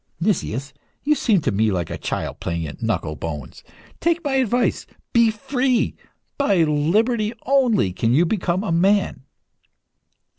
"Nicias, you seem to me like a child playing at knuckle bones. Take my advice be free! By liberty only can you become a man."